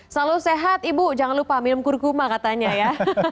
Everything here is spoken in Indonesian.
selalu sehat ibu jangan lupa minum kurkuma katanya ya